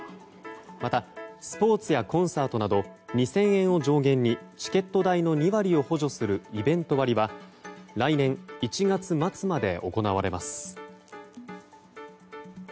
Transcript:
またスポーツやコンサートなど２０００円を条件にチケット代の２割を補助するイベント割は速報が入ってきました。